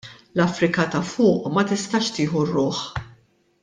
L-Afrika ta' Fuq ma tistax tieħu r-ruħ.